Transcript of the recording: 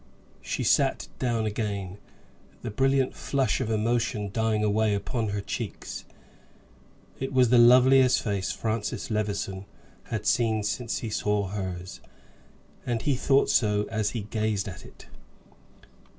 She sat down again, the brilliant flush of emotion dying away upon her cheeks. It was the loveliest face Francis Levison had seen since he saw hers, and he thought so as he gazed at it.